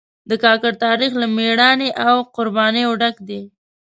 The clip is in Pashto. د کاکړ تاریخ له مېړانې او قربانیو ډک دی.